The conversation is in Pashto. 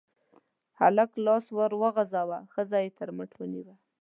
هلک لاس ور وغزاوه، ښځه يې تر مټ ونيوله.